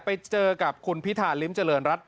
ไปเจอกับคุณพิธาริมเจริญรัฐ